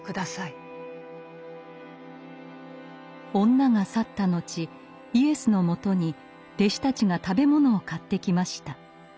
女が去った後イエスのもとに弟子たちが食べ物を買ってきました。